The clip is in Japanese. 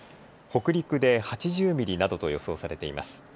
北陸で８０ミリなどと予想されています。